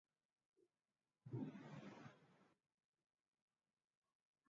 Figo iliyofura na kuwa laini kiasi cha kukatika kwa urahisi unapoikata